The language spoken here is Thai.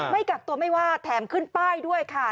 ไม่กักตัวไม่ว่าแถมขึ้นป้ายด้วยค่ะ